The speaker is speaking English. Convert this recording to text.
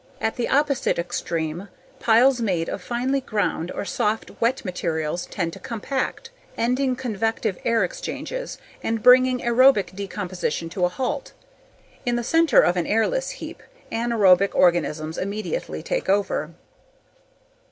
At the opposite extreme, piles made of finely ground or soft, wet materials tend to compact, ending convective air exchanges and bringing aerobic decomposition to a halt. In the center of an airless heap, anaerobic organisms immediately take over.